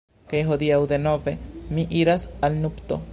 Kaj hodiaŭ, denove, mi iras al nupto.